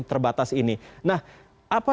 terbatas ini nah apa